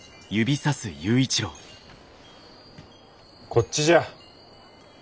こっちじゃ。